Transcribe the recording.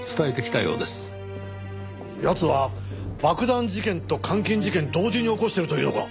奴は爆弾事件と監禁事件同時に起こしてるというのか？